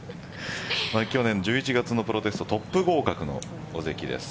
去年１１月のプロテストトップ合格の尾関です。